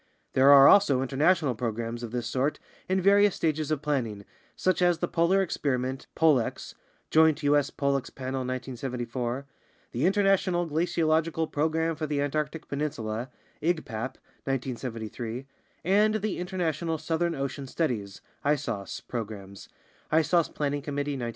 There are also international programs of this sort in various stages of planning, such as the Polar Experiment (polex) (Joint U.S. polex Panel, 1974), the International Glaci ological Program for the Antarctic Peninsula (igpap) (1973), and the International Southern Ocean Studies (isos) programs (isos Planning Committee, 1973).